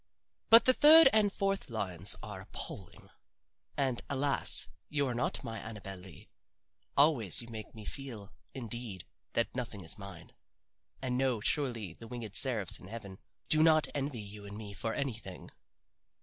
But the third and fourth lines are appalling. And, alas, you are not my Annabel Lee. Always you make me feel, indeed, that nothing is mine. And no, surely the winged seraphs in heaven do not envy you and me for anything."